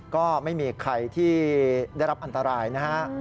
ก็ไม่มีใครที่ได้รับอันตรายนะฮะ